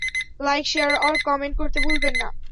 Like, share, আর comment করতে ভুলবেন না!